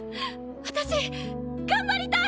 私頑張りたい！